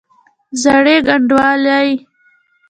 زړې ګنډوالې!